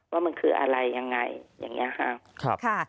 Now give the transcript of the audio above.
ว่ามันคืออะไรยังไงอย่างนี้ค่ะ